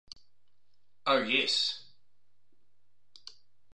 Oh yes!